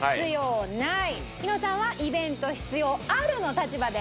日野さんは「イベント必要ある」の立場で。